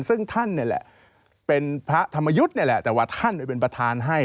ซึ่งท่านนี่แหละเป็นพระธรรมยุทธ์นี่แหละแต่ว่าท่านเป็นประธานให้